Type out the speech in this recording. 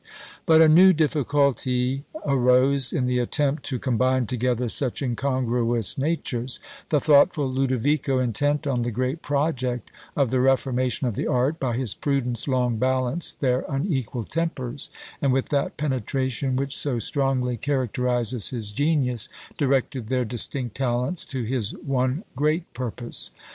But a new difficulty arose in the attempt to combine together such incongruous natures; the thoughtful Lodovico, intent on the great project of the reformation of the art, by his prudence long balanced their unequal tempers, and with that penetration which so strongly characterises his genius, directed their distinct talents to his one great purpose.